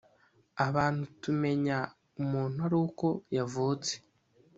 Abantu tumenya umuntu ari uko yavutse